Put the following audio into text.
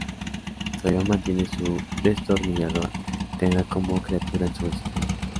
Todavía mantiene su destornillador tenga como criatura en su bolsillo.